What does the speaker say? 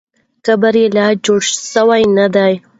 قبر یې لا جوړ سوی نه دی.